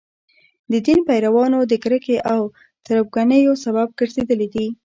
د دین پیروانو د کرکې او تربګنیو سبب ګرځېدلي دي.